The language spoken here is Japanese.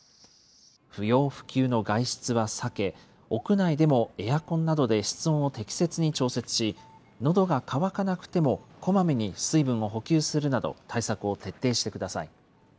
不要不急の外出は避け、屋内でもエアコンなどで室温を適切に調節し、のどが渇かなくても、こまめに水分を補給するなど、対策を徹底してください。